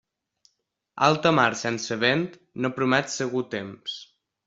Alta mar sense vent, no promet segur temps.